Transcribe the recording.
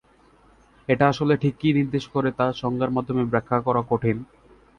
এটা আসলে ঠিক কী নির্দেশ করে তা সংজ্ঞার মাধ্যমে ব্যাখ্যা করা কঠিন।